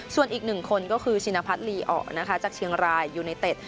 ส่วนอีกหนึ่งคนก็คือชินพัฒนลีออกนะคะจากเชียงรายยูไนเต็ด